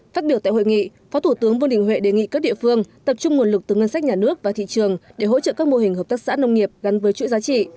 phát biểu tại hội nghị phó thủ tướng vương đình huệ đề nghị các địa phương tập trung nguồn lực từ ngân sách nhà nước và thị trường để hỗ trợ các mô hình hợp tác xã nông nghiệp gắn với chuỗi giá trị